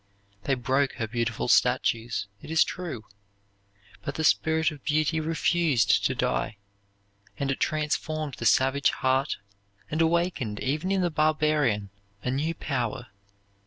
They broke her beautiful statues, it is true; but the spirit of beauty refused to die, and it transformed the savage heart and awakened even in the barbarian a new power.